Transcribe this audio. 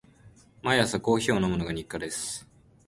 毎朝コーヒーを飲むのが日課です。